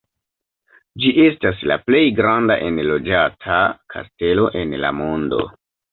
Ĝi estas la plej granda enloĝata kastelo en la mondo.